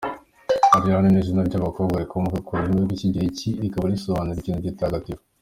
Ariane ni izina ry’abakobwa rikomoka ku rurimi rw’Ikigereki rikaba risobanura “Ikintu gitagatifu”.